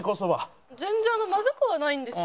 全然まずくはないです。